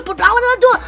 berlawan sama dua